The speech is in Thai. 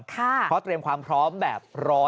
เพราะเตรียมความพร้อมแบบรอ